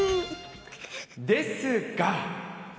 ですが。